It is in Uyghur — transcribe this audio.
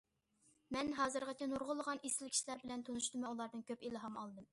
مەن ھازىرغىچە نۇرغۇنلىغان ئېسىل كىشىلەر بىلەن تونۇشتۇم ۋە ئۇلاردىن كۆپ ئىلھام ئالدىم.